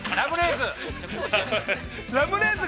◆ラムレーズン。